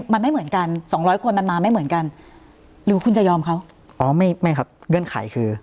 มันไม่เหมือนกันสองร้อยคนมันมาไม่เหมือนกันหรือคุณจะยอมเขาอ๋อไม่ไม่ครับเงื่อนไขคือ